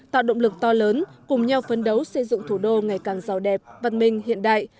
tạo động lực to lớn cùng nhau phấn đấu xây dựng thủ đô ngày càng giàu đẹp văn minh hiện đại